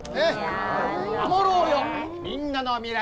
「守ろうよみんなの未来